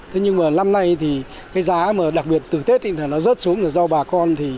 thế nhưng mà năm nay thì cái giá mà đặc biệt từ tết thì nó rớt xuống là do bà con